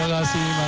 terima kasih banyak